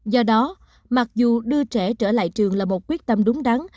do đó mặc dù đưa trẻ trở lại trường là một quyết tâm đúng đắn